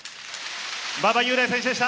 馬場雄大選手でした。